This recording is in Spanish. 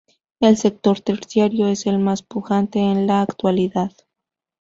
El sector terciario es el más pujante en la actualidad.